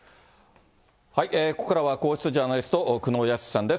ここからは皇室ジャーナリスト、久能靖さんです。